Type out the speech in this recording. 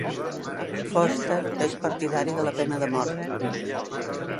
Foster és partidari de la pena de mort.